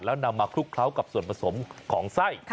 แล้วนำมาคลุกเคล้ากับส่วนผสมของไส้